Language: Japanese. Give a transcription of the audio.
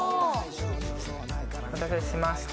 お待たせしました。